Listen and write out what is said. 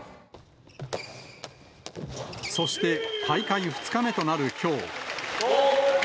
そして、大会２日目となるきょう。